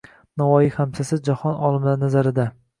Navoiy “Xamsa”si ‒ jahon olimlari nazarida